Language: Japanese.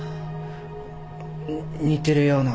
似てるような。